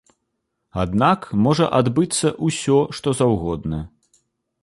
Аднак можа адбыцца ўсё што заўгодна.